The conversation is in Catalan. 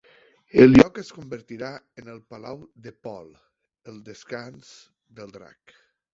El lloc es convertirà en el palau de Pol, el Descans del Drac.